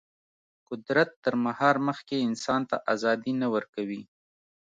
قدرت تر مهار مخکې انسان ته ازادي نه ورکوي.